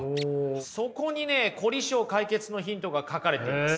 そこにね凝り性解決のヒントが書かれています。